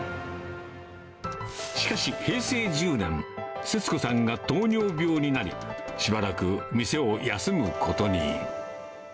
しかし、平成１０年、節子さんが糖尿病になり、しばらく店を休むことに。